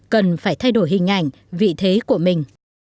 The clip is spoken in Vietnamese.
cần phải thay đổi hình ảnh vị thế của mình